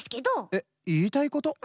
えっいいたいこと？